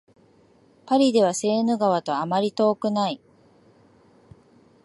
パリではセーヌ川とあまり遠くない